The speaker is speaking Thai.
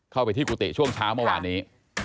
เข้าไปที่กุฏิช่วงเช้าเมื่อวานนี้